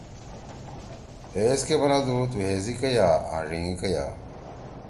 ہے ایس کے بنَدُو تو ہیزی کئیا آں ڙھینگی کئیا؟